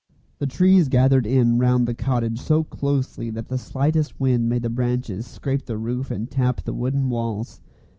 The trees gathered in round the cottage so closely that the slightest wind made the branches scrape the roof and tap the wooden walls.